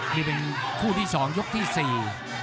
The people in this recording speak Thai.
นี่เป็นคู่ที่๒ยกที่๔